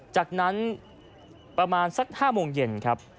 จากนั้นประมาณสัก๕โมงเย็นครับ